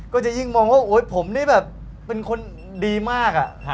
ก็จะยิ่งมองว่าโอ๊ยผมนี่แบบเป็นคนดีมาก